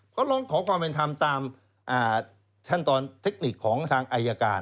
เขาร้องขอความเป็นธรรมตามขั้นตอนเทคนิคของทางอายการ